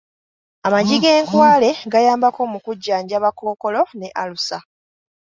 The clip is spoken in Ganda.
Amagi g’enkwale gayambako mu kujjanjaba kookolo ne alusa.